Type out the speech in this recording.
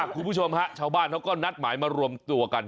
คุณผู้ชมฮะชาวบ้านเขาก็นัดหมายมารวมตัวกัน